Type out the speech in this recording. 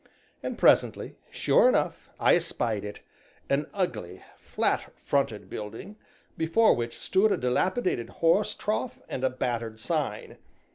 And presently, sure enough, I espied it, an ugly, flat fronted building, before which stood a dilapidated horse trough and a battered sign.